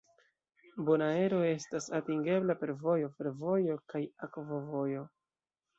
Bonaero estas atingebla per vojo, fervojo, kaj akvovojo.